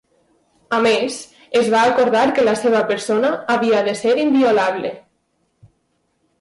A més, es va acordar que la seva persona havia de ser inviolable.